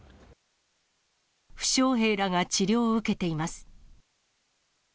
負傷兵らが治療を受けています。